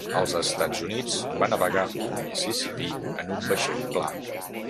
Als Estats Units, va navegar pel Mississipí en un vaixell pla.